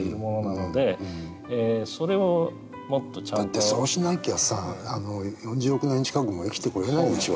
だってそうしなきゃさ４０億年近くも生きてこれないでしょう